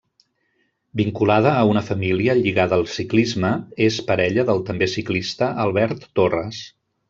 Vinculada a una família lligada al ciclisme, és parella del també ciclista Albert Torres.